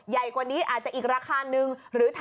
ใหญ่กว่านี้อาจจะอีกราคานึง